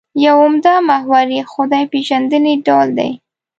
یو عمده محور یې خدای پېژندنې ډول دی.